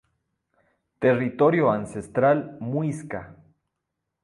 Territorio ancestral Muisca.